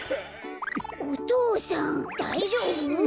お父さんだいじょうぶ？